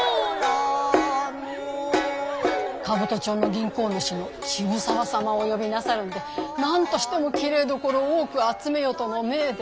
兜町の銀行主の渋沢様を呼びなさるんで何としてもきれいどころを多く集めよとの命で。